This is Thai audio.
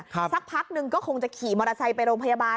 สักพักนึงก็คงจะขี่มอเตอร์ไซค์ไปโรงพยาบาล